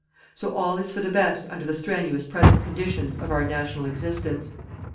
So all is for the best under the strenuous present conditions of our national existence.